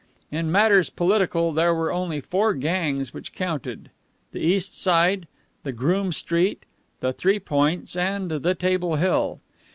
In matters political there were only four gangs which counted, the East Side, the Groome Street, the Three Points and the Table Hill.